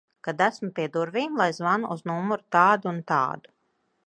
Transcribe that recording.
Kad esmu pie durvīm, lai zvanu uz numuru tādu un tādu.